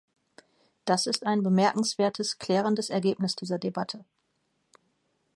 Das ist ein bemerkenswertes, klärendes Ergebnis dieser Debatte.